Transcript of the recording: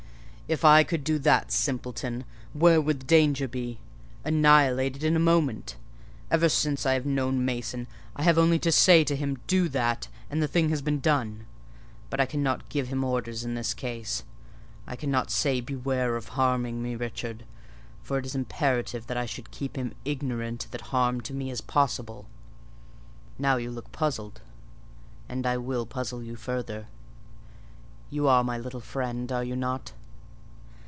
"If I could do that, simpleton, where would the danger be? Annihilated in a moment. Ever since I have known Mason, I have only had to say to him 'Do that,' and the thing has been done. But I cannot give him orders in this case: I cannot say 'Beware of harming me, Richard;' for it is imperative that I should keep him ignorant that harm to me is possible. Now you look puzzled; and I will puzzle you further. You are my little friend, are you not?"